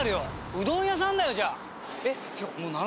うどん屋さんだよじゃあ。